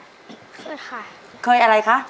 เคยค่ะงั้นค่ะเคยอะไรคะ